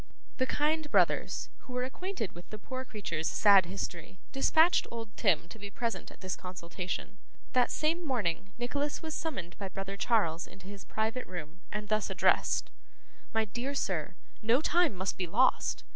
The kind brothers, who were acquainted with the poor creature's sad history, dispatched old Tim to be present at this consultation. That same morning, Nicholas was summoned by brother Charles into his private room, and thus addressed: 'My dear sir, no time must be lost.